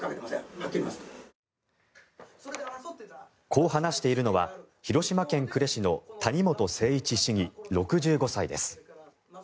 こう話しているのは広島県呉市の谷本誠一市議、６５歳です。